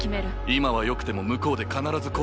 今はよくても向こうで必ず後悔する。